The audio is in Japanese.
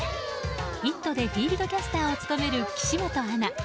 「イット！」でフィールドキャスターを務める岸本アナ。